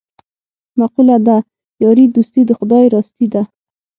مقوله ده: یاري دوستي د خدای راستي ده.